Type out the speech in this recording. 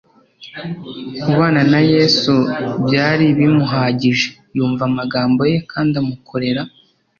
Kubana na Yesu byari'bimuhagije, yumva amagambo ye kandi amukorera.